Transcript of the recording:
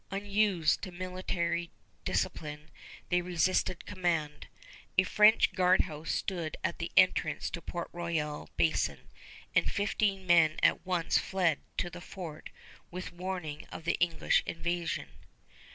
Unused to military discipline, they resisted command. A French guardhouse stood at the entrance to Port Royal Basin, and fifteen men at once fled to the fort with warning of the English invasion.